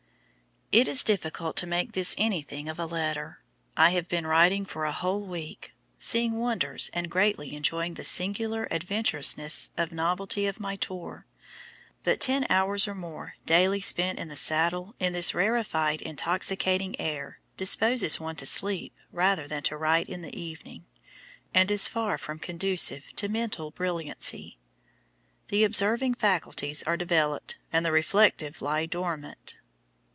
It is difficult to make this anything of a letter. I have been riding for a whole week, seeing wonders and greatly enjoying the singular adventurousness and novelty of my tour, but ten hours or more daily spent in the saddle in this rarefied, intoxicating air, disposes one to sleep rather than to write in the evening, and is far from conducive to mental brilliancy. The observing faculties are developed, and the reflective lie dormant.